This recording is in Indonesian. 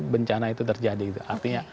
bencana itu terjadi artinya